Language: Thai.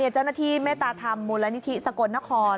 เจ้าหน้าที่เมตตาธรรมมูลนิธิสกลนคร